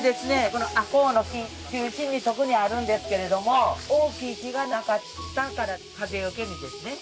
このアコウの木中心に特にあるんですけれども大きい木がなかったから風よけにですね